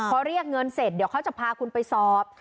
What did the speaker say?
พอเรียกเงินเสร็จเดี๋ยวเขาจะพาคุณไปสอบ